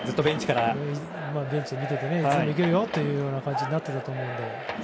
ベンチで見てていつでもいけるよという感じになっていたと思うんですね。